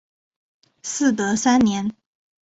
嗣德三年。